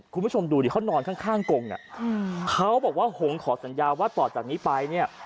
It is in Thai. คุณผู้ชมดูดิเขานอนข้างกงอ่ะเขาบอกว่าหงขอสัญญาว่าต่อจากนี้ไปเนี่ย